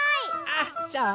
あっそう？